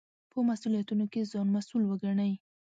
په مسوولیتونو کې ځان مسوول وګڼئ.